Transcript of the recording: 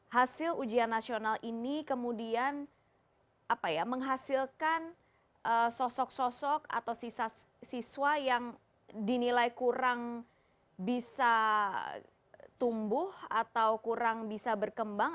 hasil ujian nasional ini kemudian menghasilkan sosok sosok atau sisa siswa yang dinilai kurang bisa tumbuh atau kurang bisa berkembang